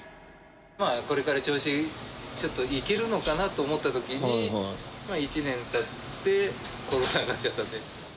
これから調子、ちょっと、いけるのかなと思ったときに、１年たって、コロナになっちゃったんで。